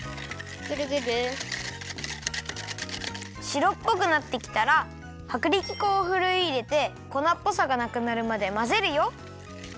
しろっぽくなってきたらはくりき粉をふるいいれて粉っぽさがなくなるまでまぜるよ。